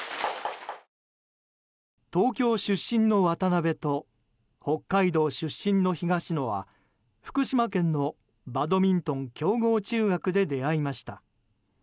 東京出身の渡辺と北海道出身の東野は福島県のバドミントン強豪中学で出会いました。